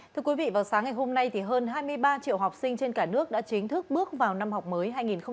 thưa quý vị vào sáng ngày hôm nay thì hơn hai mươi ba triệu học sinh trên cả nước đã chính thức bước vào năm học mới hai nghìn hai mươi hai nghìn hai mươi